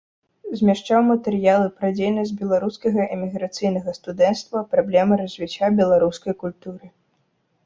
Змяшчаў матэрыялы пра дзейнасць беларускага эміграцыйнага студэнцтва, праблемы развіцця беларускай культуры.